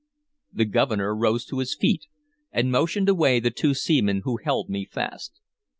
The Governor rose to his feet, and motioned away the two seamen who held me fast.